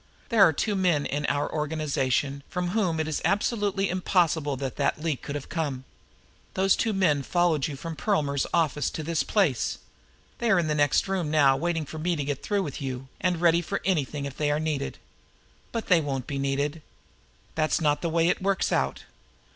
"There are two men in our organization from whom it is absolutely impossible that that leak could have come. Those two men followed you from Perlmer's office to this place. They are in the next room now waiting for me to get through with you, and ready for anything if they are needed. But they won't be needed. That's not the way it works out.